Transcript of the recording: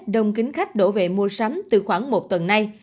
đồng kính khách đổ về mua sắm từ khoảng một tuần nay